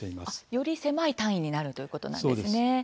より狭い単位になるということなんですね。